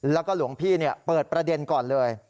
แล้วก็หลวงพี่เปิดประเด็นก่อนเลย